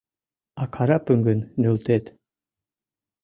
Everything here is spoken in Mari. А карапым гын — нӧлтет.